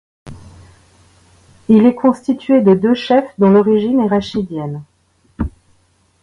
Il est constitué de deux chefs dont l'origine est rachidienne.